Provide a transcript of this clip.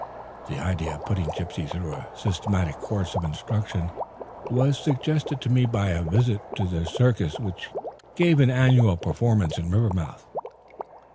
The idea of putting Gypsy through a systematic course of instruction was suggested to me by a visit to the circus which gave an annual performance in Rivermouth.